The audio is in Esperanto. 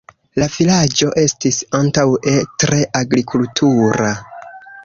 La vilaĝo estis antaŭe tre agrikultura.